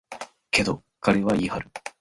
けど、彼は言い張る。